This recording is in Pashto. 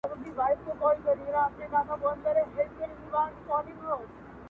o تیاره وریځ ده، باد دی باران دی.